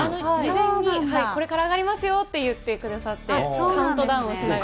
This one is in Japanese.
これから上がりますよって言ってくださって、カウントダウンしながら。